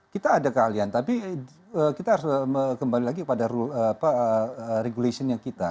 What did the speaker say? kita ada keahlian tapi kita harus kembali lagi pada regulationnya kita